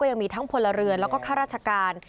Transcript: ยังมีทั้งพลเรือนแล้วก็ข้าราชการ